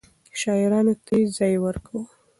شاعرانو ته يې ځای ورکاوه.